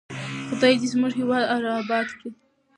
خدای دې زموږ هېواد اباد کړي.